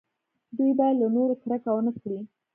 دوی باید له نورو کرکه ونه کړي.